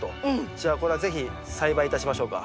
じゃあこれは是非栽培いたしましょうか。